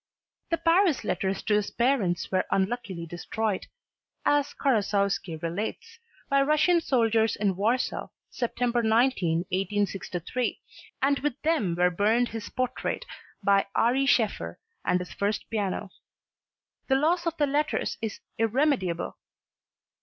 The Paris letters to his parents were unluckily destroyed, as Karasowski relates, by Russian soldiers in Warsaw, September 19, 1863, and with them were burned his portrait by Ary Scheffer and his first piano. The loss of the letters is irremediable.